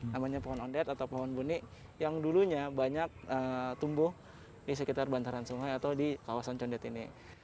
namanya pohon ondet atau pohon buni yang dulunya banyak tumbuh di sekitar bantaran sungai atau di kawasan condet ini